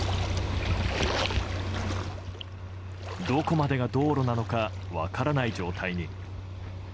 どこまでが道路なのか分からない状態に。